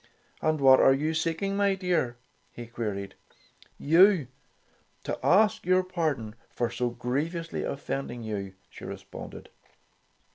"And what are you seeking, my dear?" he queried. "You, to ask your pardon for so griev ously offending you," she responded.